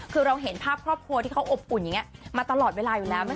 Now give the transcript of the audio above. คือเราเห็นภาพครอบครัวที่เขาอบอุ่นอย่างนี้มาตลอดเวลาอยู่แล้ว